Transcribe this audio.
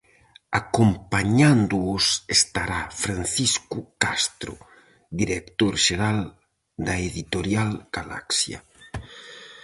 Acompañándoos estará Francisco Castro, director xeral da Editorial Galaxia.